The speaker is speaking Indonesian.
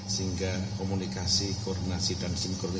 sehingga komunikasi koordinasi dan perjalanan yang akan berjalan baik